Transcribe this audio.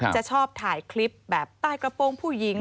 จะชอบถ่ายคลิปแบบใต้กระโปรงผู้หญิง